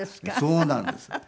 そうなんです。